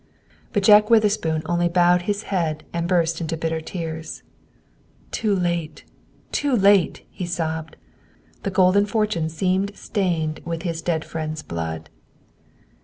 But Jack Witherspoon only bowed his head and burst into bitter tears. "Too late; too late!" he sobbed. The golden fortune seemed stained with his dead friend's blood.